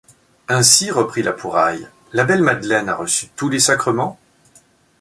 Ainsi, reprit La Pouraille, la belle Madeleine a reçu tous les sacrements?...